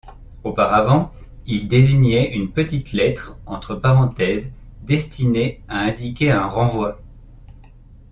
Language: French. Auparavant, il désignait une petite lettre entre parenthèses destinée à indiquer un renvoi.